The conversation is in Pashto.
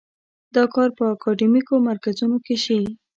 دا کار په اکاډیمیکو مرکزونو کې شي.